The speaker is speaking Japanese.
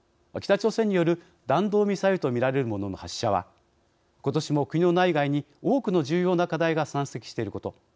北朝鮮による弾道ミサイルとみられるものの発射はことしも国の内外に多くの重要な課題が山積していること。